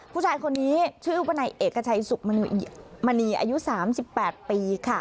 ผู้ชายคนนี้ชื่อว่านายเอกชัยสุขมณีอายุ๓๘ปีค่ะ